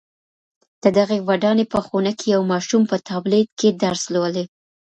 د دغي ودانۍ په خونه کي یو ماشوم په ټابلېټ کي درس لولي.